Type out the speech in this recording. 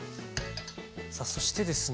さあそしてですね